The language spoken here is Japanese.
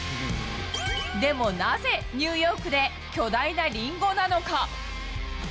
でもなぜニューヨークで巨大なリンゴなのか。